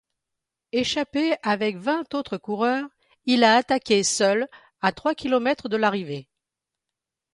Échappé avec vingt autres coureurs, il a attaqué seul à trois kilomètres de l'arrivée.